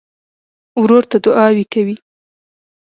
ورور ته دعاوې کوې.